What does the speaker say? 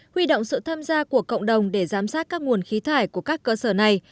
huy động sự tham gia của cộng đồng để giám sát các nguồn khí thải của các cơ sở này